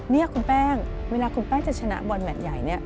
นี่คุณแป้งเวลาคุณแป้งจะชนะบอร์นแบทใหญ่